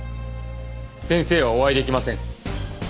先生はお会いできません。